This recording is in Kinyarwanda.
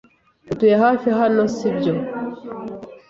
Utuye hafi hano, sibyo?